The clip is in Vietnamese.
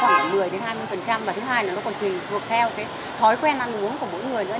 khoảng một mươi hai mươi và thứ hai là nó còn tùy thuộc theo cái thói quen ăn uống của mỗi người nữa